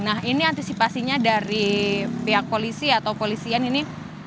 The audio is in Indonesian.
nah ini antisipasinya dari pihak polisi atau polisian ini